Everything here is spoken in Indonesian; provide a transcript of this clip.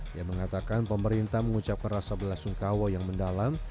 dia mengatakan pemerintah mengucapkan rasa belasungkawa yang mendalam